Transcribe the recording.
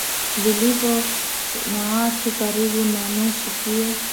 vilivyo na watu karibu na nusu Pia